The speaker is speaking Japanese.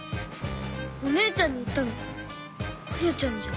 お姉ちゃんに言ったのあやちゃんじゃん。